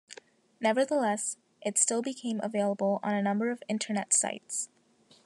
Nevertheless, it still became available on a number of internet sites.